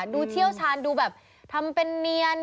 เชี่ยวชาญดูแบบทำเป็นเนียน